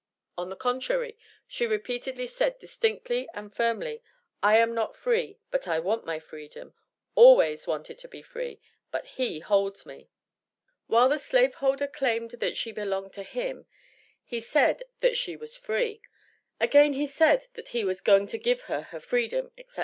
On the contrary, she repeatedly said, distinctly and firmly, "I am not free, but I want my freedom ALWAYS wanted to be free!! but he holds me." While the slaveholder claimed that she belonged to him, he said that she was free! Again he said that he was going to give her her freedom, etc.